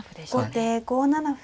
後手５七歩。